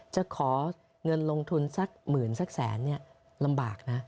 จะขอเงินลงทุนสักหมื่นสักแสนเนี่ยลำบากนะ